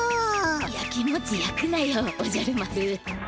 やきもちやくなよおじゃる丸。